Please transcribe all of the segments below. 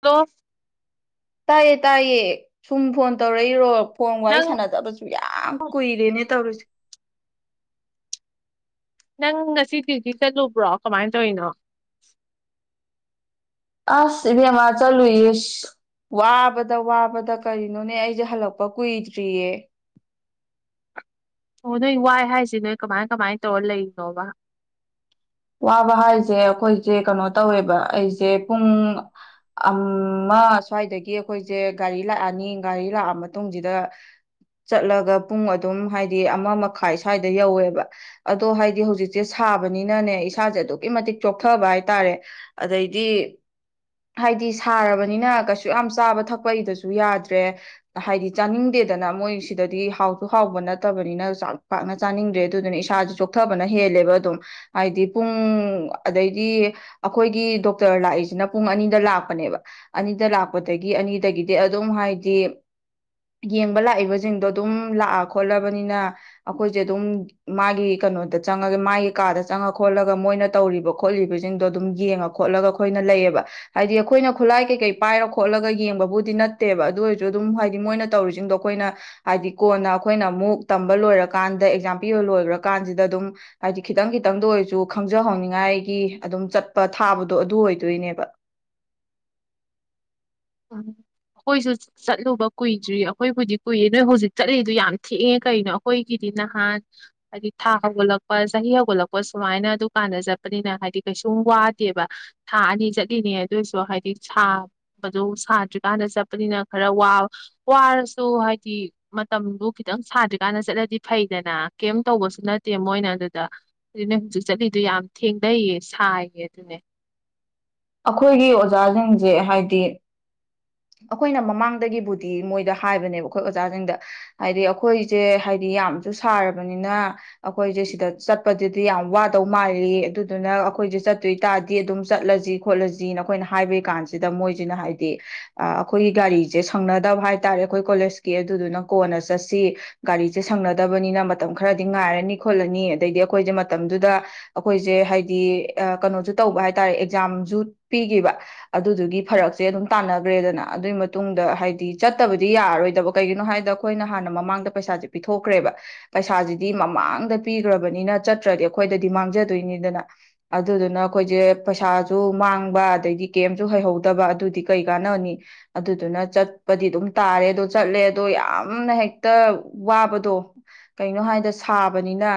hello ꯇꯥꯏꯌꯦ ꯇꯥꯏꯌꯦ ꯁꯨꯝ ꯐꯣꯟ ꯇꯧꯔꯛꯏꯔꯣ ꯐꯣꯟ ꯋꯥꯔꯤ ꯅꯪ ꯁꯥꯟꯅꯖꯕꯁꯨ ꯌꯥꯝ ꯀꯨꯏꯔꯦꯅꯦ ꯇꯧꯔꯤꯁꯦ ꯅꯪ ꯉꯁꯤꯗꯨꯗꯤ ꯆꯠꯂꯨꯕ꯭ꯔꯣ ꯀꯃꯥꯏ ꯇꯧꯔꯤꯅꯣ ꯑꯁ ꯏꯕꯦꯝꯃ ꯆꯠꯂꯨꯏꯌꯦ ꯋꯥꯕꯗ ꯋꯥꯕꯗ ꯀꯔꯤꯅꯣꯅꯦ ꯑꯩꯁꯦ ꯍꯜꯂꯛꯄ ꯀꯨꯏꯗ꯭ꯔꯤꯌꯦ ꯑꯣ ꯅꯣꯏ ꯋꯥꯏ ꯍꯥꯏꯁꯤ ꯅꯣꯏ ꯀꯃꯥꯏ ꯀꯃꯥꯏꯅ ꯇꯧꯔ ꯂꯩꯔꯤꯅꯣꯕ ꯋꯥꯕ ꯍꯥꯏꯁꯦ ꯑꯩꯈꯣꯏꯁꯦ ꯀꯩꯅꯣ ꯇꯧꯋꯦꯕ ꯑꯩꯁꯦ ꯄꯨꯡ ꯑꯃ ꯁ꯭ꯋꯥꯏꯗꯒꯤ ꯑꯩꯈꯣꯏꯁꯦ ꯒꯥꯔꯤ ꯂꯥꯛꯑꯅꯤ ꯒꯥꯔꯤ ꯂꯥꯛꯑ ꯃꯇꯨꯡꯁꯤꯗ ꯆꯠꯂꯒ ꯄꯨꯡ ꯑꯗꯨꯝ ꯍꯥꯏꯗꯤ ꯑꯃ ꯃꯈꯥꯏ ꯁ꯭ꯋꯥꯏꯗ ꯌꯧꯋꯦꯕ ꯑꯗꯣ ꯍꯥꯏꯗꯤ ꯍꯧꯖꯤꯛꯁꯦ ꯁꯥꯕꯅꯤꯅꯅꯦ ꯏꯁꯥꯁꯦ ꯑꯗꯨꯛꯀꯤ ꯃꯇꯤꯛ ꯆꯣꯛꯊꯕ ꯍꯥꯏꯇꯥꯔꯦ ꯑꯗꯩꯗꯤ ꯍꯥꯏꯗꯤ ꯁꯥꯔꯕꯅꯤꯅ ꯀꯩꯁꯨ ꯌꯥꯝ ꯆꯥꯕ ꯊꯛꯄꯒꯤꯗꯁꯨ ꯌꯥꯗ꯭ꯔꯦ ꯍꯥꯏꯗꯤ ꯆꯥꯅꯤꯡꯗꯦꯗꯅ ꯃꯣꯏ ꯁꯤꯗꯗꯤ ꯍꯥꯎꯁꯨꯨ ꯍꯥꯎꯕ ꯅꯠꯇꯕꯅꯤꯅ ꯆꯥꯛ ꯄꯥꯛꯅ ꯆꯥꯅꯤꯡꯗ꯭ꯔꯦ ꯑꯗꯨꯗꯨꯅ ꯏꯁꯥꯥꯁꯦ ꯆꯣꯛꯊꯕꯅ ꯍꯦꯜꯂꯦꯕ ꯑꯗꯨꯝ ꯍꯥꯏꯗꯤ ꯄꯨꯡ ꯑꯗꯩꯗꯤ ꯑꯩꯈꯣꯏꯒꯤ ꯗꯣꯛꯇꯔ ꯂꯥꯛꯏꯁꯤꯅ ꯄꯨꯡ ꯑꯅꯤꯗ ꯂꯥꯛꯄꯅꯦꯕ ꯑꯅꯤꯗ ꯂꯥꯛꯄꯗꯒꯤ ꯑꯅꯤꯗꯒꯤꯗꯤ ꯑꯗꯨꯝ ꯍꯥꯏꯗꯤ ꯌꯦꯡꯕ ꯂꯥꯛꯏꯕꯁꯤꯡꯗꯣ ꯑꯗꯨꯝ ꯂꯥꯛꯑ ꯈꯣꯠꯂꯕꯅꯤꯅ ꯑꯩꯈꯣꯏꯁꯦ ꯑꯗꯨꯝ ꯃꯥꯒꯤ ꯀꯩꯅꯣꯗ ꯆꯪꯉꯒ ꯃꯥꯒꯤ ꯀꯥꯗ ꯆꯪꯉ ꯈꯣꯠꯂꯒ ꯃꯣꯏꯅ ꯇꯧꯔꯤꯕ ꯈꯣꯠꯂꯤꯕꯁꯤꯡꯗꯣ ꯑꯗꯨꯝ ꯌꯦꯡꯉ ꯈꯣꯠꯂꯒ ꯑꯩꯈꯣꯏꯅ ꯂꯩꯌꯦꯕ ꯍꯥꯏꯗꯤ ꯑꯩꯈꯣꯏꯅ ꯈꯨꯠꯂꯥꯏ ꯀꯩꯀꯩ ꯄꯥꯏꯔ ꯈꯣꯠꯂꯒ ꯌꯦꯡꯕꯕꯨꯗꯤ ꯅꯠꯇꯦꯕ ꯑꯗꯨ ꯑꯣꯏꯔꯁꯨ ꯑꯗꯨꯝ ꯍꯥꯏꯗꯤ ꯃꯣꯏꯅ ꯇꯧꯔꯤꯁꯤꯡꯗꯣ ꯑꯩꯈꯣꯏꯅ ꯍꯥꯏꯗꯤ ꯀꯣꯟꯅ ꯑꯩꯈꯣꯏꯅ ꯑꯃꯨꯛ ꯇꯝꯕ ꯂꯣꯏꯔꯀꯥꯟꯗ ꯑꯦꯛꯖꯥꯝ ꯄꯤꯕ ꯂꯣꯏꯈ꯭ꯔꯀꯥꯟꯁꯤꯗ ꯑꯗꯨꯝ ꯍꯥꯏꯗꯤ ꯈꯤꯇꯪ ꯈꯤꯇꯪꯗ ꯑꯣꯏꯔꯁꯨ ꯈꯪꯖꯍꯧꯅꯤꯡꯉꯥꯏꯒꯤ ꯑꯗꯨꯝ ꯆꯠꯄ ꯊꯥꯕꯗꯣ ꯑꯗꯨ ꯑꯣꯏꯗꯣꯏꯅꯦꯕ ꯎꯝ ꯑꯩꯈꯣꯏꯁꯨ ꯆꯠꯂꯨꯕ ꯀꯨꯏꯗ꯭ꯔꯤ ꯑꯩꯈꯣꯏꯕꯨꯗꯤ ꯀꯨꯏ ꯅꯣꯏ ꯍꯧꯖꯤꯛ ꯆꯠꯂꯤꯗꯨ ꯌꯥꯝ ꯊꯦꯡꯉꯦ ꯀꯅꯣ ꯑꯩꯈꯣꯏꯒꯤꯗꯤ ꯅꯍꯥꯟ ꯍꯥꯏꯗꯤ ꯊꯥ ꯍꯧꯒꯠꯂꯛꯄ ꯆꯍꯤ ꯍꯧꯒꯠꯂꯛꯄ ꯁꯨꯃꯥꯏꯅ ꯗꯨꯀꯥꯟꯗ ꯆꯠꯄꯅꯤꯅ ꯍꯥꯏꯗꯤ ꯀꯩꯁꯨꯝ ꯋꯥꯗꯦꯕ ꯊꯥ ꯑꯅꯤ ꯆꯠꯂꯤꯅꯦ ꯑꯗꯨꯏꯁꯨ ꯍꯥꯏꯗꯤ ꯁꯥ ꯗꯨ ꯁꯥꯗ꯭ꯔꯤꯀꯥꯟꯗ ꯆꯠꯄꯅꯤꯅ ꯈꯔ ꯋꯥꯔꯁꯨ ꯍꯥꯏꯗꯤ ꯃꯇꯝꯗꯨ ꯈꯤꯇꯪ ꯁꯥꯗ꯭ꯔꯤꯀꯥꯟꯗ ꯆꯠꯂꯗꯤ ꯐꯩꯗꯅ ꯀꯩꯝ ꯇꯧꯕꯁꯨ ꯅꯠꯇꯦ ꯃꯣꯏꯅ ꯑꯗꯨꯗ ꯑꯗꯨꯅꯦ ꯍꯧꯖꯤꯛ ꯆꯠꯂꯤꯗꯨ ꯌꯥꯝ ꯊꯦꯡꯅꯩꯌꯦ ꯁꯥꯏꯌꯦ ꯑꯗꯨꯅꯦ ꯑꯩꯈꯣꯏꯒꯤ ꯑꯣꯖꯥꯁꯤꯡꯁꯦ ꯍꯥꯏꯗꯤ ꯑꯩꯈꯣꯏꯅ ꯃꯃꯥꯡꯗꯒꯤꯕꯨꯗꯤ ꯃꯣꯏꯗ ꯍꯥꯏꯕꯅꯦꯕ ꯑꯩꯈꯣꯏ ꯑꯣꯖꯥꯁꯤꯡꯗ ꯍꯥꯏꯗꯤ ꯑꯩꯈꯣꯏꯁꯦ ꯍꯥꯏꯗꯤ ꯌꯥꯝꯁꯨ ꯁꯥꯔꯕꯅꯤꯅ ꯑꯩꯈꯣꯏꯁꯦ ꯁꯤꯗ ꯆꯠꯄꯗꯗꯤ ꯌꯥꯝ ꯋꯥꯗꯧ ꯃꯥꯜꯂꯤ ꯑꯗꯨꯗꯨꯅ ꯑꯩꯈꯣꯏꯁꯦ ꯆꯠꯇꯣꯏ ꯇꯥꯔꯗꯤ ꯑꯗꯨꯝ ꯆꯠꯂꯁꯤ ꯈꯣꯠꯂꯁꯤꯅ ꯑꯩꯈꯣꯏꯅ ꯍꯥꯏꯕꯒꯤ ꯀꯥꯟꯁꯤꯗ ꯃꯣꯏꯁꯤꯅ ꯍꯥꯏꯗꯤ ꯑꯩꯈꯣꯏꯒꯤ ꯒꯥꯔꯤꯁꯦ ꯁꯪꯅꯗꯕ ꯍꯥꯏꯇꯥꯥꯔꯦ ꯑꯩꯈꯣꯏ ꯀꯣꯂꯦꯁꯀꯤ ꯑꯗꯨꯗꯨꯅ ꯀꯣꯟꯅ ꯆꯠꯁꯤ ꯒꯥꯔꯤꯁꯦ ꯁꯪꯅꯗꯕꯅꯤꯅ ꯃꯇꯝ ꯈꯔꯗꯤ ꯉꯥꯏꯔꯅꯤ ꯈꯣꯠꯂꯅꯤ ꯑꯗꯩꯗꯤ ꯑꯩꯈꯣꯏꯁꯦ ꯃꯇꯝꯗꯨꯗ ꯑꯩꯈꯣꯏꯁꯦ ꯍꯥꯏꯗꯤ ꯀꯩꯅꯣꯁꯨ ꯇꯧꯕ ꯍꯥꯏ ꯇꯥꯔꯦ ꯑꯦꯛꯖꯥꯝ ꯖꯨꯠ ꯄꯤꯈꯤꯕ ꯑꯗꯨꯗꯨꯒꯤ ꯐꯔꯛꯁꯦ ꯑꯗꯨꯝ ꯇꯥꯟꯅꯈ꯭ꯔꯦꯗꯅ ꯑꯗꯨꯒꯤ ꯃꯇꯨꯡꯗ ꯍꯥꯏꯗꯤ ꯆꯠꯇꯕꯗꯤ ꯌꯥꯔꯔꯣꯏꯗꯕ ꯀꯩꯒꯤꯅꯣ ꯍꯥꯏꯕꯗ ꯑꯩꯈꯣꯏꯅ ꯍꯥꯟꯅ ꯃꯃꯥꯡꯗ ꯄꯩꯁꯥꯁꯦ ꯄꯤꯊꯣꯛꯈ꯭ꯔꯦꯕ ꯄꯩꯁꯥꯁꯤꯗꯤ ꯃꯃꯥꯡꯗ ꯄꯤꯈ꯭ꯔꯕꯅꯤꯅ ꯆꯠꯇ꯭ꯔꯗꯤ ꯑꯩꯈꯣꯏꯗꯗꯤ ꯃꯥꯡꯖꯗꯣꯏꯅꯤꯗꯅ ꯑꯗꯨꯗꯨꯅ ꯑꯩꯈꯣꯏꯁꯦ ꯄꯩꯁꯥ ꯑꯗꯨ ꯃꯥꯡꯕ ꯑꯗꯩꯗꯤ ꯀꯦꯝꯁꯨ ꯍꯩꯍꯧꯗꯕ ꯑꯗꯨꯗꯤ ꯀꯩ ꯀꯥꯟꯅꯅꯤ ꯑꯗꯨꯗꯨꯅ ꯆꯠꯄꯗꯤ ꯑꯗꯨꯝ ꯇꯥꯔꯦ ꯑꯗꯣ ꯆꯠꯂꯦ ꯑꯗꯣ ꯌꯥꯝꯅ ꯍꯦꯛꯇ ꯋꯥꯕꯗꯣ ꯀꯩꯅꯣ ꯍꯥꯏꯗ ꯁꯥꯕꯅꯤꯅ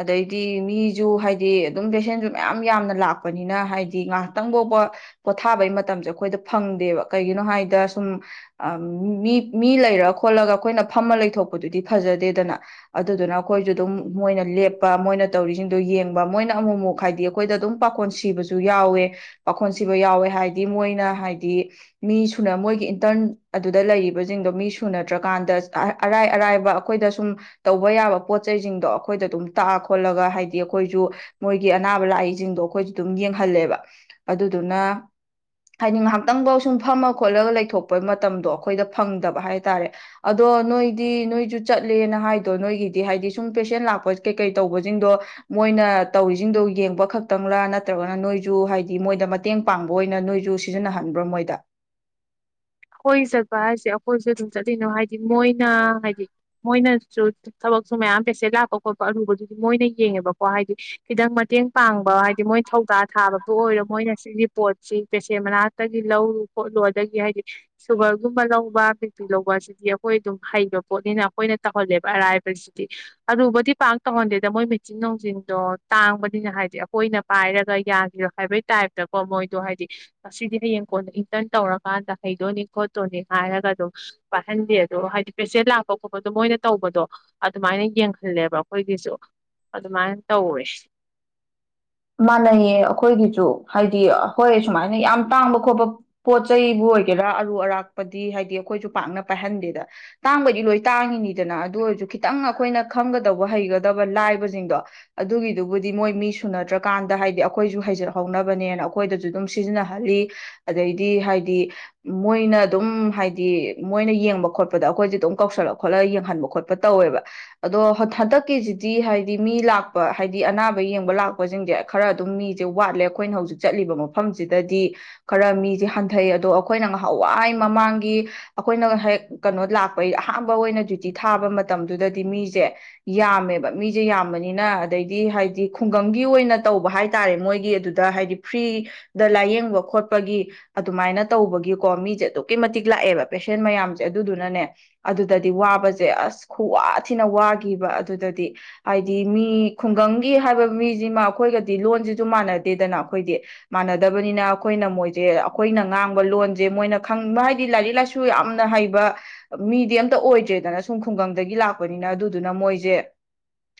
ꯑꯗꯩꯗꯤ ꯃꯤꯁꯨ ꯍꯥꯏꯗꯤ ꯑꯗꯨꯝ ꯚꯦꯁꯦꯟꯁꯨ ꯃꯌꯥꯝ ꯌꯥꯝꯅ ꯂꯥꯛꯄꯅꯤꯅ ꯍꯥꯏꯗꯤ ꯉꯥꯏꯍꯥꯛꯇꯪ ꯐꯥꯎꯕ ꯄꯣꯊꯥꯕꯒꯤ ꯃꯇꯝꯁꯦ ꯑꯩꯈꯣꯏꯗ ꯐꯪꯗꯦꯕ ꯀꯩꯒꯤꯅꯣ ꯍꯥꯏꯗ ꯁꯨꯝ ꯑ ꯃꯤ ꯃꯤ ꯂꯩꯔ ꯈꯣꯠꯂꯒ ꯑꯩꯈꯣꯏꯅ ꯐꯝꯃ ꯂꯩꯊꯣꯛꯄꯗꯨꯗꯤ ꯐꯖꯗꯦꯗꯅ ꯑꯗꯨꯗꯨꯅ ꯑꯩꯈꯣꯏꯁꯨ ꯑꯗꯨꯝ ꯃꯣꯏꯅ ꯂꯦꯞꯄ ꯃꯣꯏꯅ ꯇꯧꯔꯤꯁꯤꯡꯗꯣ ꯌꯦꯡꯕ ꯃꯣꯏꯅ ꯑꯃꯨꯛ ꯑꯃꯨꯛ ꯍꯥꯏꯗꯤ ꯑꯩꯈꯣꯏꯗ ꯑꯗꯨꯝ ꯄꯥꯈꯣꯟ ꯁꯤꯕꯁꯨ ꯁꯨ ꯌꯥꯎꯋꯦ ꯄꯥꯈꯣꯟꯁꯤꯕꯨ ꯌꯥꯎꯋꯦ ꯍꯥꯏꯗꯤ ꯃꯣꯏꯅ ꯍꯥꯏꯗꯤ ꯃꯤ ꯁꯨꯅ ꯃꯣꯏꯒꯤ ꯏꯟꯇꯔꯟ ꯑꯗꯨꯗ ꯂꯩꯔꯤꯕꯁꯤꯡꯗꯣ ꯃꯤ ꯁꯨꯅꯗ꯭ꯔꯀꯥꯟꯗ ꯑꯔꯥꯏ ꯑꯔꯥꯏꯕ ꯑꯩꯈꯣꯏꯗ ꯁꯨꯝ ꯇꯧꯕ ꯌꯥꯕ ꯄꯣꯠꯆꯁꯤꯡꯗꯣ ꯑꯩꯈꯣꯏꯗ ꯑꯗꯨꯝ ꯇꯥꯛꯑ ꯈꯣꯠꯂꯒ ꯍꯥꯏꯗꯤ ꯑꯩꯈꯣꯏꯁꯨ ꯃꯣꯏꯒꯤ ꯑꯅꯥꯕ ꯂꯥꯛꯏꯁꯤꯡꯗꯣ ꯑꯩꯈꯣꯏꯁꯨ ꯑꯗꯨꯝ ꯌꯦꯡ ꯍꯜꯂꯦꯕ ꯑꯗꯨꯗꯨꯅ ꯍꯥꯏꯗꯤ ꯉꯥꯏꯍꯥꯛꯇꯪꯐꯥꯎ ꯁꯨꯝ ꯐꯝꯃ ꯈꯣꯠꯂꯒ ꯂꯩꯊꯣꯛꯄ ꯃꯇꯝꯗꯣ ꯑꯩꯈꯣꯏꯗ ꯐꯪꯗꯕ ꯍꯥꯏꯇꯥꯔꯦ ꯑꯗꯣ ꯅꯣꯏꯗꯤ ꯅꯣꯏꯁꯨ ꯆꯠꯂꯦꯅ ꯍꯥꯏꯗꯣ ꯅꯣꯏꯒꯤꯗꯤ ꯍꯥꯏꯗꯤ ꯁꯨꯝ ꯄꯦꯁꯦꯟ ꯂꯥꯛꯄ ꯀꯩꯀꯩ ꯇꯧꯕꯁꯤꯡꯗꯣ ꯃꯣꯏꯅ ꯇꯧꯔꯤꯁꯤꯡꯗꯣ ꯌꯦꯡꯕ ꯈꯛꯇꯪꯂꯥ ꯅꯠꯇ꯭ꯔꯒꯅ ꯅꯣꯏꯁꯨ ꯍꯥꯏꯗꯤ ꯃꯣꯏꯗ ꯃꯇꯦꯡ ꯄꯥꯡꯕ ꯑꯣꯏꯅ ꯅꯣꯏꯁꯨ ꯁꯤꯖꯤꯟꯅꯍꯟꯕ꯭ꯔꯣ ꯃꯣꯏꯗ ꯑꯩꯈꯣꯏ ꯆꯠꯄ ꯍꯥꯏꯁꯦ ꯑꯩꯈꯣꯏꯁꯨ ꯑꯗꯨꯝ ꯆꯠꯂꯤꯅꯣ ꯍꯥꯏꯗꯤ ꯃꯣꯏꯅ ꯍꯥꯏꯗꯤ ꯃꯣꯏꯅꯁꯨ ꯊꯕꯛꯁꯨ ꯃꯌꯥꯝ ꯄꯦꯁꯦꯟ ꯂꯥꯛꯄ ꯈꯣꯠꯄ ꯑꯔꯨꯕꯗꯨꯗꯤ ꯃꯣꯏꯅ ꯌꯦꯡꯉꯦꯕꯀꯣ ꯍꯥꯏꯗꯤ ꯈꯤꯇꯪ ꯃꯇꯦꯡ ꯄꯥꯡꯕ ꯍꯥꯏꯗꯤ ꯃꯣꯏ ꯊꯧꯗꯥ ꯊꯥꯕꯕꯨ ꯑꯣꯏꯔꯣ ꯃꯣꯏꯅ ꯁꯤꯒꯤ ꯄꯣꯠꯁꯤ ꯄꯦꯁꯦꯟ ꯃꯅꯥꯛꯇꯒꯤ ꯂꯧꯔꯨ ꯈꯣꯠꯂꯨ ꯑꯗꯒꯤ ꯍꯥꯏꯗꯤ ꯁꯨꯒꯔꯒꯨꯝꯕ ꯂꯧꯕ ꯕꯤ ꯄꯤ ꯂꯧꯕ ꯑꯁꯤꯗꯤ ꯑꯩꯈꯣꯏ ꯑꯗꯨꯝ ꯍꯩꯕ ꯄꯣꯠꯅꯤꯅ ꯑꯩꯈꯣꯏꯅ ꯇꯧꯍꯜꯂꯦꯕ ꯑꯔꯥꯏꯕꯁꯤꯗꯤ ꯑꯗꯨꯕꯨꯗꯤ ꯄꯥꯛ ꯇꯧꯍꯟꯗꯦꯗ ꯃꯣꯏ ꯃꯦꯆꯤꯟ ꯅꯨꯡꯆꯤꯟꯗꯣ ꯇꯥꯡꯕꯅꯤꯅ ꯍꯥꯏꯗꯤ ꯑꯩꯈꯣꯏꯅ ꯄꯥꯏꯔꯒ ꯌꯥꯈꯤꯔꯣ ꯍꯥꯏꯕꯒꯤ ꯇꯥꯏꯞꯇꯀꯣ ꯃꯣꯏꯗꯣ ꯍꯥꯏꯗꯤ ꯉꯁꯤꯗꯤ ꯍꯌꯦꯡ ꯀꯣꯟꯅ ꯏꯟꯇꯔꯟ ꯇꯧꯔꯀꯥꯟꯗ ꯍꯩꯗꯣꯏꯅꯤ ꯈꯣꯠꯇꯣꯅꯤ ꯍꯥꯏꯔꯒ ꯑꯗꯨꯝ ꯄꯥꯏꯍꯟꯗꯦ ꯑꯗꯣ ꯍꯥꯏꯗꯤ ꯄꯦꯁꯦꯟ ꯂꯥꯛꯄ ꯈꯣꯠꯄꯗꯣ ꯃꯣꯏꯅ ꯇꯧꯕꯗꯣ ꯑꯗꯨꯃꯥꯏꯅ ꯌꯦꯡꯍꯜꯂꯦꯕ ꯑꯩꯈꯣꯏꯒꯤꯁꯨ ꯑꯗꯨꯃꯥꯏꯅ ꯇꯧꯋꯦ ꯃꯥꯟꯅꯩꯌꯦ ꯑꯩꯈꯣꯏꯒꯤꯁꯨ ꯍꯥꯏꯗꯤ ꯍꯣꯏ ꯁꯨꯃꯥꯏꯅ ꯌꯥꯝ ꯇꯥꯡꯕ ꯈꯣꯠꯄ ꯄꯣꯠ ꯆꯩꯕꯨ ꯑꯣꯏꯒꯦꯔꯥ ꯑꯔꯨ ꯑꯔꯥꯛꯄꯗꯤ ꯍꯥꯏꯗꯤ ꯑꯩꯈꯣꯏꯁꯨ ꯄꯥꯛꯅ ꯄꯥꯏꯍꯟꯗꯦꯗ ꯇꯥꯡꯕꯗꯤ ꯂꯣꯏ ꯇꯥꯡꯉꯤꯅꯤꯗꯅ ꯑꯗꯨ ꯑꯣꯏꯔꯁꯨ ꯈꯤꯇꯪ ꯑꯩꯈꯣꯏꯅ ꯈꯪꯒꯗꯧꯕ ꯍꯩꯒꯗꯕ ꯂꯥꯏꯕꯁꯤꯡꯗꯣ ꯑꯗꯨꯒꯤꯗꯨꯕꯨꯗꯤ ꯃꯣꯏ ꯃꯤꯁꯨ ꯅꯠꯇ꯭ꯔꯒ ꯀꯥꯟꯗ ꯍꯥꯏꯗꯤ ꯑꯩꯈꯣꯏꯁꯨ ꯍꯩꯖꯔꯛꯍꯧꯅꯕꯅꯦꯅ ꯑꯩꯈꯣꯏꯗꯁꯨ ꯑꯗꯨꯝ ꯁꯤꯖꯤꯟꯅꯍꯜꯂꯤ ꯑꯗꯩꯗꯤ ꯍꯥꯏꯗꯤ ꯃꯣꯏꯅ ꯑꯗꯨꯝ ꯍꯥꯏꯗꯤ ꯃꯣꯏꯅ ꯌꯦꯡꯕ ꯈꯣꯠꯄꯗ ꯑꯩꯈꯣꯏꯁ ꯑꯗꯨꯝ ꯀꯧꯁꯜꯂ ꯈꯣꯠꯂꯒ ꯌꯦꯡꯍꯟꯕ ꯈꯣꯠꯄ ꯇꯧꯋꯦꯕ ꯑꯗꯣ ꯍꯟꯗꯛꯀꯤꯁꯤꯗꯤ ꯍꯥꯏꯗꯤ ꯃꯤ ꯂꯥꯛꯄ ꯍꯥꯏꯗꯤ ꯑꯅꯥꯕ ꯌꯦꯡꯕ ꯂꯥꯛꯄ ꯁꯤꯡꯁꯦ ꯈꯔ ꯑꯗꯨꯝ ꯃꯤꯁꯦ ꯋꯥꯠꯂꯦ ꯑꯩꯈꯣꯏꯅ ꯍꯧꯖꯤꯛ ꯆꯠꯂꯤꯕ ꯃꯐꯝꯁꯤꯗꯗꯤ ꯈꯔ ꯃꯤꯁꯦ ꯍꯟꯊꯩ ꯑꯗꯣ ꯑꯩꯈꯣꯏꯅ ꯉꯍꯥꯟꯋꯥꯏ ꯃꯃꯥꯡꯒꯤ ꯑꯩꯈꯣꯏꯅ ꯍꯦꯛ ꯀꯩꯅꯣ ꯂꯥꯛꯄꯩ ꯑꯍꯥꯟꯕ ꯑꯣꯏꯅ ꯗ꯭ꯌꯨꯇꯤ ꯊꯥꯕ ꯃꯇꯝꯗꯨꯗꯗꯤ ꯃꯤꯁꯦ ꯌꯥꯝꯃꯦꯕ ꯃꯤꯁꯦ ꯌꯥꯝꯕꯅꯤꯅ ꯑꯗꯩꯗꯤ ꯍꯥꯏꯗꯤ ꯈꯨꯡꯒꯪ ꯈꯨꯡꯒꯪꯒꯤ ꯑꯣꯏꯅ ꯇꯧꯕ ꯍꯥꯏꯇꯥꯔꯦ ꯃꯣꯏꯒꯤ ꯑꯗꯨꯗ ꯍꯥꯏꯗꯤ ꯐ꯭ꯔꯤꯗ ꯂꯥꯏꯌꯦꯡꯕ ꯈꯣꯠꯄꯒꯤ ꯑꯗꯨꯃꯥꯏꯅ ꯇꯧꯕꯒꯤꯀꯣ ꯃꯤꯁꯦ ꯑꯗꯨꯛꯀꯤ ꯃꯇꯤꯛ ꯂꯥꯛꯑꯦꯕ ꯄꯦꯁꯦꯟ ꯃꯌꯥꯝꯁꯦ ꯑꯗꯨꯗꯨꯅꯅꯦ ꯑꯗꯨꯗꯗꯤ ꯋꯥꯕꯁꯦ ꯑꯁ ꯈꯨꯋꯥꯊꯤꯅ ꯋꯥꯈꯤꯕ ꯑꯗꯨꯗꯗꯤ ꯍꯥꯏꯗꯤ ꯃꯤ ꯈꯨꯡꯒꯪꯒꯤ ꯍꯥꯏꯕ ꯃꯤꯁꯤꯃ ꯑꯩꯈꯣꯏꯒꯗꯤ ꯂꯣꯟꯁꯤꯁꯨ ꯃꯥꯟꯅꯗꯦꯗꯅ ꯑꯩꯈꯣꯏꯗꯤ ꯃꯥꯟꯅꯗꯕꯅꯤꯅ ꯑꯩꯈꯣꯏꯅ ꯃꯣꯏꯁꯦ ꯑꯩꯈꯣꯏꯅ ꯉꯥꯡꯕ ꯂꯣꯟꯁꯦ ꯃꯣꯏꯅ ꯈꯪꯕ ꯍꯥꯏꯗꯤ ꯂꯥꯏꯔꯤꯛ ꯂꯥꯏꯁꯨ ꯌꯥꯝꯅ ꯍꯩꯕ ꯃꯤꯗꯤ ꯑꯝꯇ ꯑꯣꯏꯗ꯭ꯔꯦꯗꯅ ꯁꯨꯝ ꯈꯨꯡꯒꯪꯗꯒꯤ ꯂꯥꯛꯄꯅꯤꯅ ꯑꯗꯨꯗꯨꯅ ꯃꯣꯏꯁꯦ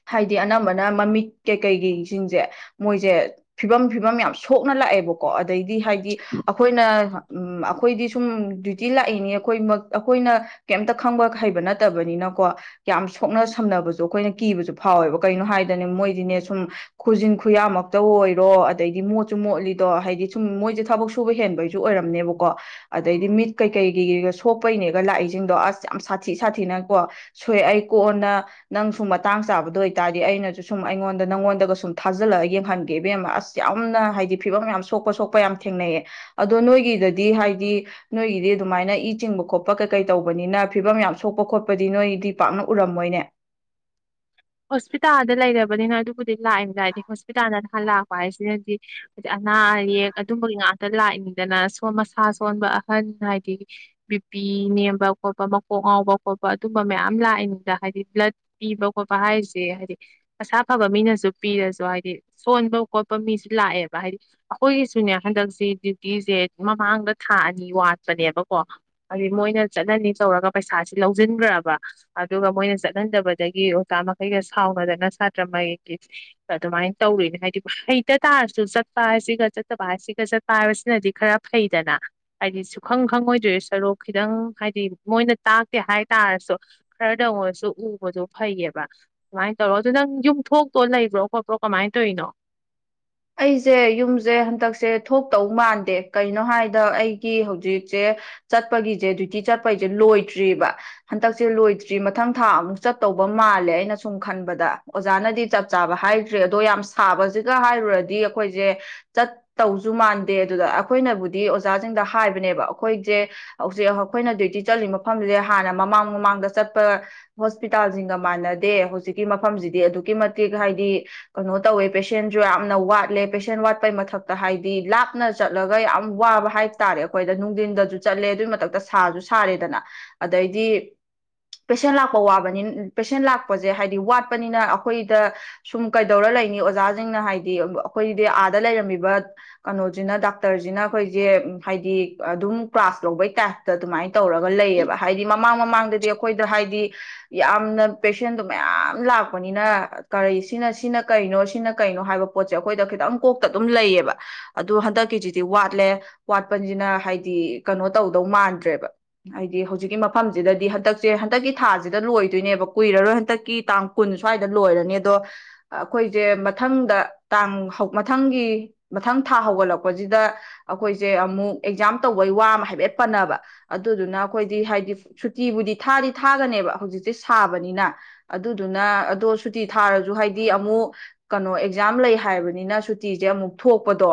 ꯍꯥꯏꯗꯤ ꯑꯅꯝꯕꯅ ꯃꯃꯤꯠ ꯀꯩ ꯀꯩꯒꯤꯁꯤꯡꯁꯦ ꯃꯣꯏꯁꯦ ꯐꯤꯕꯝ ꯐꯤꯕꯝ ꯌꯥꯝ ꯁꯣꯛꯅ ꯂꯥꯛꯑꯦꯕꯀꯣ ꯑꯗꯩꯗꯤ ꯍꯥꯏꯗꯤ ꯑꯩꯈꯣꯏꯅ ꯎꯝ ꯑꯩꯈꯣꯏꯗꯤ ꯁꯨꯝ ꯗ꯭ꯌꯨꯇꯤ ꯂꯥꯛꯏꯅꯤ ꯑꯩꯈꯣꯏ ꯑꯩꯈꯣꯏꯅ ꯀꯩꯝꯇ ꯈꯪꯕ ꯍꯩꯕ ꯅꯠꯇꯕꯅꯤꯅꯀꯣ ꯌꯥꯝ ꯁꯣꯛꯅ ꯁꯝꯅꯕꯁꯨ ꯑꯩꯈꯣꯏꯅ ꯀꯤꯕꯁꯨ ꯐꯥꯎꯋꯦꯕ ꯀꯅꯣ ꯍꯥꯏꯗꯅꯦ ꯃꯣꯏꯗꯤꯅꯦ ꯁꯨꯝ ꯈꯨꯖꯤꯟ ꯈꯨꯌꯥꯃꯛꯇ ꯑꯣꯏꯔꯣ ꯑꯗꯩꯗꯤ ꯃꯣꯠꯁꯨ ꯃꯣꯠꯂꯤꯗꯣ ꯍꯥꯏꯗꯤ ꯁꯨꯝ ꯃꯣꯏꯁꯦ ꯊꯕꯛ ꯁꯨꯕ ꯍꯦꯟꯕꯩꯁꯨ ꯑꯣꯏꯔꯝꯅꯦꯕꯀꯣ ꯑꯗꯩꯗꯤ ꯃꯤꯠ ꯀꯩꯀꯩꯒꯤꯩꯒ ꯁꯣꯛꯄꯩꯅꯦꯒ ꯂꯥꯛꯏꯁꯤꯡꯗꯣ ꯑꯁ ꯌꯥꯝ ꯁꯥꯊꯤ ꯁꯥꯊꯤꯅꯀꯣ ꯁꯣꯏꯑ ꯑꯩ ꯀꯣꯟꯅ ꯅꯪ ꯁꯨꯝ ꯃꯇꯥꯡ ꯆꯥꯕꯗꯣ ꯑꯣꯏꯇꯥꯔꯗꯤ ꯑꯩꯅꯁꯨ ꯁꯨꯝ ꯑꯩꯉꯣꯟꯗ ꯗ ꯅꯪꯉꯣꯟꯗꯒ ꯁꯨꯝ ꯊꯥꯖꯤꯜꯂ ꯌꯦꯡꯍꯟꯒꯦꯕꯦꯝ ꯑꯁ ꯌꯥꯝꯅ ꯍꯥꯏꯗꯤ ꯐꯤꯕꯝ ꯌꯥꯝ ꯁꯣꯛꯄ ꯁꯣꯛꯄ ꯌꯥꯝ ꯊꯦꯡꯅꯩꯌꯦ ꯑꯗꯣ ꯅꯣꯏꯒꯤꯗꯗꯤ ꯍꯥꯏꯗꯤ ꯅꯣꯏꯒꯤꯗꯤ ꯑꯗꯨꯃꯥꯏꯅ ꯏ ꯆꯤꯡꯕ ꯈꯣꯠꯄ ꯀꯩꯀꯩ ꯇꯧꯕꯅꯤꯅ ꯐꯤꯕꯝ ꯌꯥꯝ ꯁꯣꯛꯄ ꯈꯣꯠꯄꯗꯤ ꯅꯣꯏꯗꯤ ꯄꯥꯛꯅ ꯎꯔꯝꯃꯣꯏꯅꯦ ꯍꯣꯁꯄꯤꯇꯥꯜꯗ ꯂꯩꯔꯕꯅꯤꯅ ꯑꯗꯨꯕꯨꯗꯤ ꯂꯥꯛꯏꯅꯤꯗ ꯍꯥꯏꯗꯤ ꯍꯣꯁꯄꯤꯇꯥꯜꯗ ꯅꯍꯥꯟ ꯂꯥꯛꯄ ꯍꯥꯏꯁꯤꯅꯗꯤ ꯍꯥꯏꯗꯤ ꯑꯅꯥ ꯑꯌꯦꯛ ꯑꯗꯨꯝꯕꯒꯤ ꯉꯥꯛꯇ ꯂꯥꯛꯏꯅꯤꯗꯅ ꯃꯁꯥ ꯁꯣꯟꯕ ꯑꯍꯟ ꯍꯥꯏꯗꯤ ꯕꯤꯄꯤ ꯅꯦꯝꯕ ꯈꯣꯠꯄ ꯃꯀꯣꯛ ꯉꯥꯎꯕ ꯈꯣꯠꯄ ꯑꯗꯨꯝꯕ ꯃꯌꯥꯝ ꯂꯥꯛꯏꯅꯤꯗꯅ ꯍꯥꯏꯗꯤ ꯕ꯭ꯂꯠ ꯄꯤꯕ ꯈꯣꯠꯄ ꯍꯥꯏꯁꯦ ꯍꯥꯏꯗꯤ ꯃꯁꯥ ꯐꯕ ꯃꯤꯅꯁꯨ ꯄꯤꯔꯁꯨ ꯍꯥꯏꯗꯤ ꯁꯣꯟꯕ ꯈꯣꯠꯄ ꯃꯤꯁꯨ ꯂꯥꯛꯑꯦꯕ ꯍꯥꯏꯗꯤ ꯑꯩꯈꯣꯏꯒꯤꯁꯨꯅꯦ ꯍꯟꯗꯛꯁꯤ ꯗ꯭ꯌꯨꯇꯤꯁꯦ ꯃꯃꯥꯡꯗ ꯊꯥ ꯑꯅꯤ ꯋꯥꯠꯄꯅꯦꯕꯀꯣ ꯍꯥꯏꯗꯤ ꯃꯣꯏꯅ ꯆꯠꯅꯅꯤ ꯇꯧꯔꯒ ꯄꯩꯁꯥꯁꯤ ꯂꯧꯁꯤꯟꯈ꯭ꯔꯕ ꯑꯗꯨꯒ ꯃꯣꯏꯅ ꯆꯠꯍꯟꯗꯕꯗꯒꯤ ꯆꯀ ꯃꯈꯩꯒ ꯁꯥꯎꯅꯗꯅ ꯁꯥꯇ꯭ꯔꯉꯩꯒꯤ ꯑꯗꯨꯃꯥꯏꯅ ꯇꯧꯔꯣꯏꯅꯦ ꯍꯥꯏꯗꯤ ꯍꯩꯇ ꯇꯥꯔꯁꯨ ꯆꯠꯄ ꯍꯥꯏꯁꯤꯒ ꯆꯠꯇꯕ ꯍꯥꯏꯁꯤꯒ ꯆꯠꯄ ꯍꯥꯏꯕꯁꯤꯅꯗꯤ ꯈꯔ ꯐꯩꯗꯅ ꯍꯥꯏꯗꯤ ꯁꯨꯈꯪ ꯈꯪꯉꯣꯏꯗꯣꯏ ꯁꯔꯨꯛ ꯈꯤꯇꯪ ꯍꯥꯏꯗꯤ ꯃꯣꯏꯅ ꯇꯥꯛꯇꯦ ꯍꯥꯏꯇꯥꯥꯔꯁꯨ ꯈꯔꯗ ꯑꯣꯏꯔꯁꯨ ꯎꯕꯗꯣ ꯐꯩꯌꯦꯕ ꯀꯃꯥꯏꯅ ꯇꯧꯔꯣ ꯑꯗꯨ ꯅꯪ ꯌꯨꯝꯊꯣꯛꯇꯣ ꯂꯩꯕ꯭ꯔꯣ ꯈꯣꯠꯄ꯭ꯔꯣ ꯀꯃꯥꯏꯅ ꯇꯧꯔꯤꯅꯣ ꯑꯩꯁꯦ ꯌꯨꯝꯁꯦ ꯍꯟꯗꯛꯁꯦ ꯊꯣꯛꯇꯧ ꯃꯥꯟꯗꯦ ꯀꯩꯅꯣ ꯍꯥꯏꯗ ꯑꯩꯒꯤ ꯍꯧꯖꯤꯛꯁꯦ ꯆꯠꯄꯒꯤꯁꯦ ꯗ꯭ꯌꯨꯇꯤ ꯆꯠꯄꯒꯤꯁꯦ ꯂꯣꯏꯗ꯭ꯔꯤꯕ ꯍꯟꯗꯛꯁꯦ ꯂꯣꯏꯗ꯭ꯔꯤ ꯃꯊꯪ ꯊꯥ ꯑꯃꯨꯛ ꯆꯠꯇꯧꯕ ꯃꯥꯜꯂꯦ ꯑꯩꯅ ꯁꯨꯝ ꯈꯟꯕꯗ ꯑꯣꯖꯥꯅꯗꯤ ꯆꯞ ꯆꯥꯕ ꯍꯥꯏꯗ꯭ꯔꯤ ꯑꯗꯣ ꯌꯥꯝ ꯁꯥꯕꯁꯤꯒ ꯍꯥꯏꯔꯨꯔꯗꯤ ꯗꯤ ꯑꯩꯈꯣꯏꯁꯦ ꯆꯠ ꯇꯧꯁꯨ ꯃꯥꯟꯗꯦ ꯑꯗꯨꯗ ꯑꯩꯈꯣꯏꯅꯕꯨꯗꯤ ꯑꯣꯖꯥꯁꯤꯡꯗ ꯍꯥꯏꯕꯅꯦꯕ ꯑꯩꯈꯣꯏꯁꯦ ꯍꯧꯖꯤꯛ ꯑꯩꯈꯣꯏꯅ ꯗ꯭ꯌꯨꯇꯤ ꯆꯠꯂꯤ ꯃꯐꯝꯁꯦ ꯍꯥꯟꯅ ꯃꯃꯥꯡ ꯃꯃꯥꯡꯗ ꯆꯠꯄ ꯍꯣꯁꯄꯤꯇꯥꯜꯁꯤꯡꯒ ꯃꯥꯟꯅꯗꯦ ꯍꯧꯖꯤꯛꯀꯤ ꯃꯐꯝꯁꯤꯗꯤ ꯑꯗꯨꯛꯀꯤ ꯃꯇꯤꯛ ꯍꯥꯏꯗꯤ ꯀꯩꯅꯣ ꯇꯧꯋꯦ ꯄꯦꯁꯦꯟꯁꯨ ꯌꯥꯝꯅ ꯋꯥꯠ ꯋꯥꯠꯂꯦ ꯄꯦꯁꯦꯟ ꯋꯥꯠꯄꯩ ꯃꯊꯛꯇ ꯍꯥꯏꯗꯤ ꯂꯥꯞꯅ ꯆꯠꯂꯒ ꯌꯥꯝ ꯋꯥꯕ ꯍꯥꯏꯕꯇꯥꯥꯔꯦ ꯑꯩꯈꯣꯏꯗ ꯅꯨꯡꯊꯤꯟꯗꯁꯨ ꯆꯠꯂꯦ ꯑꯗꯨꯒꯤ ꯃꯊꯛꯇ ꯁꯥꯁꯨ ꯁꯥꯔꯦꯗꯅ ꯑꯗꯩꯗꯤ ꯄꯦꯁꯦꯟ ꯂꯥꯛꯄ ꯋꯥꯕꯅꯤ ꯄꯦꯁꯦꯟ ꯂꯥꯛꯄꯁꯦ ꯍꯥꯏꯗꯤ ꯋꯥꯠꯄꯅꯤꯅ ꯑꯩꯈꯣꯏꯗ ꯁꯨꯝ ꯀꯩꯗꯧꯔ ꯂꯩꯅꯤ ꯑꯣꯖꯥꯁꯤꯡꯅ ꯍꯥꯏꯗꯤ ꯑꯩꯈꯣꯏꯗꯤ ꯑꯥꯗ ꯂꯩꯔꯝꯃꯤꯕ ꯀꯩꯅꯣꯁꯤꯅ ꯗꯥꯛꯇꯔꯁꯤꯅ ꯑꯩꯈꯣꯏꯁꯦ ꯍꯥꯏꯗꯤ ꯑꯗꯨꯝ ꯀ꯭ꯂꯥꯁ ꯂꯧꯕꯩ ꯇꯥꯏꯞꯇ ꯑꯗꯨꯃꯥꯏꯅ ꯇꯧꯔꯒ ꯂꯩꯌꯦꯕ ꯍꯥꯏꯗꯤ ꯃꯥ ꯃꯃꯥꯡ ꯃꯃꯥꯡꯗꯗꯤ ꯑꯩꯈꯣꯏꯗ ꯍꯥꯏꯗꯤ ꯌꯥꯝꯅ ꯄꯦꯁꯦꯟꯗꯣ ꯃꯌꯥꯝ ꯂꯥꯛꯄꯅꯤꯅ ꯀꯔꯤ ꯁꯤꯅ ꯁꯤꯅ ꯀꯩꯅꯣ ꯁꯤꯅ ꯀꯩꯅꯣ ꯍꯥꯏꯕ ꯄꯣꯠꯁꯦ ꯁꯦ ꯑꯩꯈꯣꯏꯗ ꯈꯤꯇꯪ ꯀꯣꯛꯇ ꯑꯗꯨꯝ ꯂꯩꯌꯦꯕ ꯑꯗꯣ ꯍꯟꯗꯛꯀꯤꯁꯤꯗꯤ ꯋꯥꯠꯂꯦ ꯋꯥꯠꯄꯁꯤꯅ ꯍꯥꯏꯗꯤ ꯀꯩꯅꯣ ꯇꯧꯗꯧ ꯃꯥꯟꯗ꯭ꯔꯦꯕ ꯍꯥꯏꯗꯤ ꯍꯧꯖꯤꯛꯀꯤ ꯃꯐꯝꯁꯤꯗꯗꯤ ꯍꯟꯗꯛꯁꯦ ꯍꯟꯗꯛꯀꯤ ꯊꯥꯁꯤꯗ ꯂꯣꯏꯗꯣꯏꯅꯦꯕ ꯀꯨꯏꯔꯔꯣꯏ ꯍꯟꯗꯛꯀꯤ ꯇꯥꯡ ꯀꯨꯟ ꯁ꯭ꯋꯥꯏꯗ ꯂꯣꯏꯔꯅꯤ ꯑꯗꯣ ꯑꯩꯈꯣꯏꯁꯦ ꯃꯊꯪꯗ ꯇꯥꯡ ꯃꯊꯪꯒꯤ ꯃꯊꯪ ꯊꯥ ꯍꯧꯒꯠꯂꯛꯄꯁꯤꯗ ꯑꯩꯈꯣꯏꯁꯦ ꯑꯃꯨꯛ ꯑꯦꯛꯖꯥꯝ ꯇꯧꯕꯩ ꯋꯥ ꯑꯃ ꯍꯥꯏꯐꯦꯠ ꯄꯟꯅꯕ ꯑꯗꯨꯗꯨꯅ ꯑꯩꯈꯣꯏꯗꯤ ꯍꯥꯏꯗꯤ ꯁꯨꯇꯤꯕꯨꯗꯤ ꯊꯥꯗꯤ ꯊꯥꯒꯅꯦꯕ ꯍꯧꯖꯤꯛꯁꯦ ꯁꯥꯕꯅꯤꯅ ꯑꯗꯨꯗꯨꯅ ꯑꯗꯣ ꯁꯨꯇꯤ ꯊꯥꯔꯁꯨ ꯍꯥꯏꯗꯤ ꯑꯃꯨꯛ ꯀꯩꯅꯣ ꯑꯦꯛꯖꯥꯝ ꯂꯩ ꯍꯥꯏꯕꯅꯤꯅ ꯁꯨꯇꯤꯁꯦ ꯑꯃꯨꯛ ꯊꯣꯛꯄꯗꯣ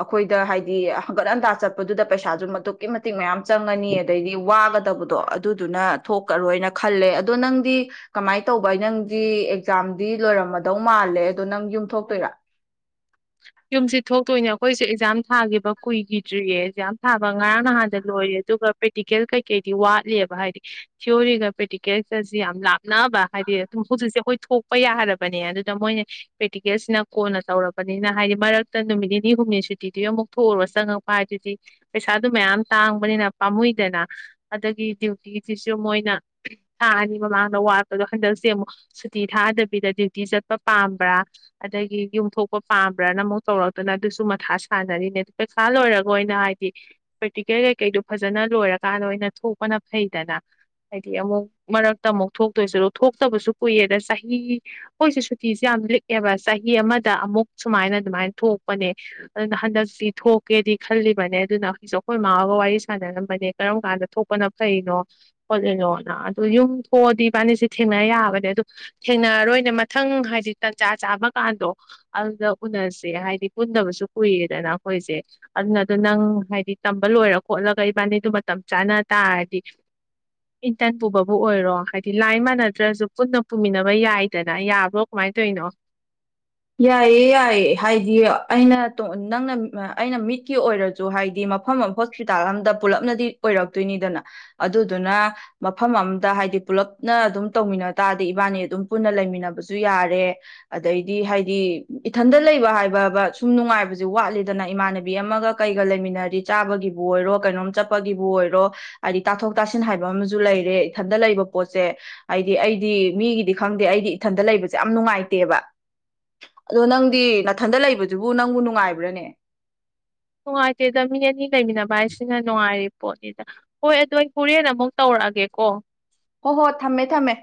ꯑꯩꯈꯣꯏꯗ ꯍꯥꯏꯗꯤ ꯍꯪꯒꯠ ꯍꯟꯇꯥ ꯆꯠꯄꯗꯨꯗ ꯄꯩꯁꯥꯁꯨ ꯑꯗꯨ ꯃꯇ ꯃꯌꯥꯝ ꯆꯪꯉꯅꯤ ꯑꯗꯩꯗꯤ ꯋꯥꯒꯗ ꯐꯠꯇꯕꯗꯣ ꯑꯗꯨꯗꯨꯅ ꯊꯣꯛꯑꯔꯣꯏꯅ ꯈꯜꯂꯦ ꯑꯗꯣ ꯅꯪꯗꯤ ꯀꯃꯥꯏꯅ ꯇꯧꯕ ꯅꯪꯗꯤ ꯑꯦꯛꯖꯥꯝꯗꯤ ꯂꯣꯏꯔꯝꯃꯗꯧ ꯃꯥꯜꯂꯦ ꯑꯗꯣ ꯅꯪ ꯌꯨꯝꯊꯣꯛꯇꯣꯏꯔꯥ ꯌꯨꯝꯁꯤ ꯊꯣꯛꯇꯣꯏꯅꯦ ꯑꯩꯈꯣꯏꯁꯨ ꯑꯦꯛꯖꯥꯝ ꯊꯥꯈꯤꯕ ꯀꯨꯏꯒꯤꯗ꯭ꯔꯤꯌꯦ ꯑꯦꯛꯖꯥꯝ ꯊꯥꯕ ꯉꯔꯥꯡ ꯅꯍꯥꯟꯗ ꯂꯣꯏꯔꯦ ꯑꯗꯨꯒ ꯄ꯭ꯔꯦꯛꯇꯤꯀꯦꯜ ꯀꯩꯀꯩꯗꯤ ꯋꯥꯠꯂꯤꯦꯕ ꯍꯥꯏꯗꯤ ꯊꯤꯑꯣꯔꯤꯒ ꯄ꯭ꯔꯦꯛꯇꯤꯀꯦꯜꯒꯁꯤ ꯌꯥꯝ ꯂꯥꯞꯅꯕ ꯍꯥꯏꯗꯤ ꯑꯗꯨꯝ ꯍꯧꯖꯤꯛꯁꯦ ꯑꯩꯈꯣꯏ ꯊꯣꯛꯄ ꯌꯥꯔꯕꯅꯦ ꯑꯗꯨꯗ ꯃꯣꯏꯅ ꯄ꯭ꯔꯦꯛꯇꯤꯀꯦꯜꯁꯤꯅ ꯀꯣꯟꯅ ꯇꯧꯔꯕ ꯇꯧꯔꯛꯄꯅꯤꯅ ꯍꯥꯏꯗꯤ ꯃꯔꯛꯇ ꯅꯨꯃꯤꯠ ꯅꯤꯅꯤ ꯍꯨꯝꯅꯤ ꯁꯨꯇꯤꯗꯨ ꯑꯃꯨꯛ ꯊꯣꯛꯎꯨꯔ ꯆꯪꯉꯛꯄ ꯍꯥꯏꯗꯨꯗꯤ ꯄꯩꯁꯥꯗꯨ ꯃꯌꯥꯝ ꯇꯥꯡꯕꯅꯤꯅ ꯄꯥꯝꯃꯨꯏꯗꯅ ꯑꯗꯒꯤ ꯗ꯭ꯌꯨꯇꯤꯁꯤꯁꯨ ꯃꯣꯏꯅ ꯊꯥ ꯑꯅꯤ ꯃꯃꯥꯡꯗ ꯋꯥꯠꯄꯗꯣ ꯍꯟꯗꯛꯁꯦ ꯑꯃꯨꯛ ꯁꯨꯇꯤ ꯊꯥꯗꯕꯤꯗ ꯗ꯭ꯌꯨꯇꯤ ꯆꯠꯄ ꯄꯥꯝꯕ꯭ꯔꯥ ꯑꯗꯒꯤ ꯌꯨꯝꯊꯣꯛ ꯄꯥꯝꯕ꯭ꯔꯅ ꯑꯃꯨꯛ ꯇꯧꯔꯛꯇꯅ ꯑꯗꯨꯁꯨ ꯃꯊꯥ ꯁꯥꯟꯅꯔꯤꯅꯦ ꯑꯗꯨ ꯄꯩꯈꯥ ꯂꯣꯏꯔꯒ ꯑꯣꯏꯅ ꯍꯥꯏꯗꯤ ꯄ꯭ꯔꯦꯛꯇꯤꯀꯦꯜ ꯀꯩꯀꯩꯗꯣ ꯐꯖꯅ ꯂꯣꯏꯔꯀꯥꯟꯗ ꯑꯣꯏꯅ ꯊꯣꯛꯄꯅ ꯐꯩꯗꯅ ꯍꯥꯏꯗꯤ ꯑꯃꯨꯛ ꯃꯔꯛꯇ ꯑꯃꯨꯛ ꯊꯣꯛꯇꯣꯏꯁꯨ ꯑꯗ ꯊꯣꯛꯇꯕꯁꯨ ꯀꯨꯏꯔꯦꯗ ꯆꯍꯤ ꯑꯩꯈꯣꯏꯁꯦ ꯁꯨꯇꯤꯁꯦ ꯌꯥꯝ ꯂꯤꯛꯑꯦꯕ ꯆꯍꯤ ꯑꯃꯗ ꯑꯃꯨꯛ ꯁꯨꯃꯥꯏꯅ ꯑꯗꯨꯃꯥꯏꯅ ꯊꯣꯛꯄꯅꯦ ꯑꯗꯨꯅ ꯍꯟꯗꯛꯇꯤ ꯊꯣꯛꯀꯦꯗꯤ ꯈꯜꯂꯤꯕꯅꯦ ꯑꯗꯨꯅ ꯍꯧꯖꯤꯛꯁꯨ ꯑꯩꯈꯣꯏ ꯏꯃꯥꯒ ꯋꯥꯔꯤ ꯁꯥꯟꯅꯔꯝꯕꯅꯦ ꯀꯔꯝ ꯀꯥꯟꯗ ꯊꯣꯛꯄꯅ ꯐꯔꯤꯅꯣ ꯈꯣꯠꯂꯤꯅꯣꯅ ꯑꯗꯨ ꯌꯨꯝ ꯊꯣꯛꯑꯗꯤ ꯏꯕꯥꯟꯅꯤꯁꯤ ꯊꯦꯡꯅ ꯌꯥꯕꯅꯦ ꯑꯗꯨ ꯊꯦꯡꯅꯔꯔꯣꯏꯅꯦ ꯃꯊꯪ ꯍꯥꯏꯗꯤ ꯇꯟꯖꯥ ꯆꯥꯕꯀꯥꯟꯗꯣ ꯑꯗꯨꯗ ꯎꯅꯁꯦ ꯍꯥꯏꯗꯤ ꯄꯨꯟꯗꯕꯁꯨ ꯀꯨꯏꯔꯦꯗꯅ ꯑꯩꯈꯣꯏꯁꯦ ꯑꯗꯨꯅꯗꯣ ꯅꯪ ꯍꯥꯏꯗꯤ ꯇꯝꯕ ꯂꯣꯏꯔ ꯈꯣꯠꯂꯒ ꯏꯕꯥꯅꯤꯗꯣ ꯃꯇꯝ ꯆꯥꯅ ꯇꯥꯔꯗꯤ ꯏꯟꯇꯔꯟ ꯄꯨꯕꯕꯨ ꯑꯣꯏꯔꯣ ꯍꯥꯏꯗꯤ ꯂꯥꯏ ꯃꯥꯟꯅꯗ꯭ꯔꯁꯨ ꯄꯨꯟꯅ ꯄꯨꯃꯤꯟꯅꯕ ꯌꯥꯏꯗꯅ ꯌꯥꯕ꯭ꯔꯣ ꯀꯃꯥꯏꯅ ꯇꯧꯅꯣ ꯌꯥꯏꯌꯦ ꯌꯥꯏꯌꯦ ꯍꯥꯏꯗꯤ ꯑꯩꯅ ꯅꯪꯅ ꯑꯩꯅ ꯃꯤꯠꯀꯤ ꯑꯣꯏꯔꯁꯨ ꯍꯥꯏꯗꯤ ꯃꯐꯝ ꯑꯃ ꯍꯣꯁꯄꯤꯇꯥꯜ ꯑꯝꯗ ꯄꯨꯜꯂꯞꯅꯗꯤ ꯑꯣꯏꯔꯛꯇꯣꯏꯅꯤꯗꯅ ꯑꯗꯨꯗꯨꯅ ꯃꯐꯝ ꯑꯃꯗ ꯍꯥꯏꯗꯤ ꯄꯨꯂꯞꯅ ꯑꯗꯨꯝ ꯇꯧꯃꯤꯟꯅ ꯇꯥꯔꯗꯤ ꯏꯕꯥꯅꯤ ꯑꯗꯨꯝ ꯄꯨꯟꯅ ꯂꯩꯃꯤꯟꯅꯕꯁꯨ ꯌꯥꯔꯦ ꯑꯗꯩ ꯗꯤ ꯍꯥꯏꯗꯤ ꯏꯊꯟꯗ ꯂꯩꯕ ꯍꯥꯏꯕꯕ ꯁꯨꯝ ꯅꯨꯡꯉꯥꯏꯕꯁꯦ ꯋꯥꯠꯂꯤꯗꯅ ꯏꯃꯥꯟꯅꯕꯤ ꯑꯃꯒ ꯀꯩꯒ ꯂꯩꯃꯤꯟꯅꯗꯤ ꯆꯥꯕꯒꯤꯕꯨ ꯑꯣꯏꯔꯣ ꯀꯩꯅꯣꯝ ꯆꯠꯄꯒꯤꯕꯨ ꯑꯣꯏꯔꯣ ꯍꯥꯏꯗꯤ ꯇꯥꯊꯣꯛ ꯇꯥꯁꯤꯟ ꯍꯥꯏꯕ ꯑꯃꯁꯨ ꯂꯩꯔꯦ ꯏꯊꯟꯗ ꯂꯩꯕ ꯄꯣꯠꯁꯦ ꯍꯥꯏꯗꯤ ꯑꯩꯗꯤ ꯃꯤꯒꯤꯗꯤ ꯈꯪꯗꯦ ꯑꯩꯗꯤ ꯏꯊꯟꯗ ꯂꯩꯕꯁꯦ ꯌꯥꯝ ꯅꯨꯡꯉꯥꯏꯇꯦꯕ ꯑꯗꯣ ꯅꯪꯗꯤ ꯅꯊꯟꯗ ꯂꯩꯕꯗꯨꯕꯨ ꯅꯪꯕꯨ ꯅꯨꯡꯉꯥꯏꯕ꯭ꯔꯥꯅꯦ ꯅꯨꯡꯉꯥꯏꯇꯦꯗ ꯃꯤ ꯑꯅꯤ ꯂꯩꯃꯤꯟꯅꯕ ꯍꯥꯏꯁꯤꯅ ꯅꯨꯡꯉꯥꯏꯔꯤ ꯄꯣꯠꯅꯤꯗ ꯍꯣꯏ ꯑꯗꯨꯗꯣ ꯑꯩ ꯍꯣꯔꯦꯟ ꯑꯃꯨꯛ ꯇꯧꯔꯛꯑꯒꯦꯀꯣ ꯍꯣ ꯍꯣ ꯊꯝꯃꯦ ꯊꯝꯃꯦ